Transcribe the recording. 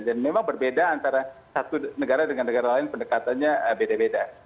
dan memang berbeda antara satu negara dengan negara lain pendekatannya beda beda